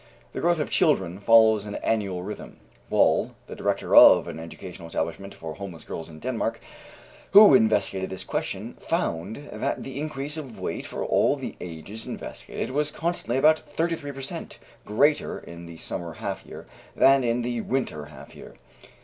The growth of children follows an annual rhythm. Wahl, the director of an educational establishment for homeless girls in Denmark, who investigated this question, found that the increase of weight for all the ages investigated was constantly about 33 per cent. greater in the summer half year than in the winter half year.